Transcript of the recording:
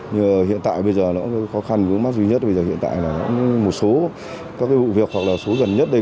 nhưng mà duy nhất bây giờ hiện tại là một số các vụ việc hoặc là số gần nhất đây